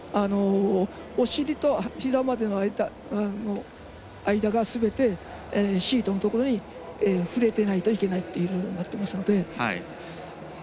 お尻とひざまでの間がすべてシートのところに触れていないといけないというルールになってますので。